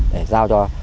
để giao cho